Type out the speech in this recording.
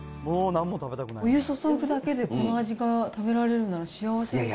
お湯注ぐだけで、この味が食べられるのは幸せですよね。